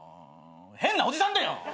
変なおじさんだよ。